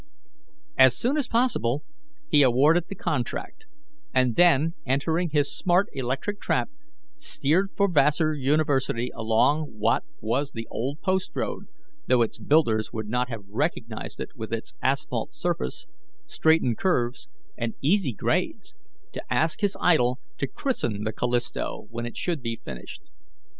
As soon as possible he awarded the contract, and then entering his smart electric trap, steered for Vassar University along what was the old post road though its builders would not have recognized it with its asphalt surface, straightened curves, and easy grades to ask his idol to christen the Callisto when it should be finished.